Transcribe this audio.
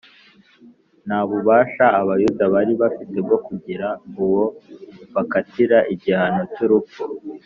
Nta bubasha Abayuda bari bafite bwo kugira uwo bakatira igihano cy’urupfu,